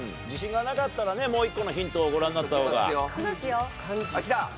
自信がなかったらねもう１個のヒントをご覧になった方が。